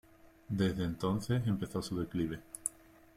Desde entonces empezó su declive.